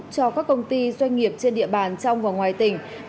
cho các công ty doanh nghiệp trên địa bàn trong và ngoài tỉnh